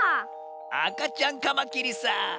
あかちゃんカマキリさ。